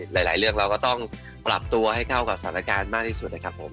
หลายเรื่องเราก็ต้องปรับตัวให้เข้ากับสถานการณ์มากที่สุดนะครับผม